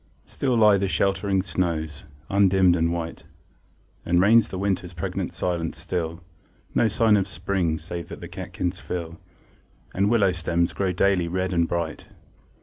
Still lie the sheltering snows, undimmed and white; And reigns the winter's pregnant silence still; No sign of spring, save that the catkins fill, And willow stems grow daily red and bright.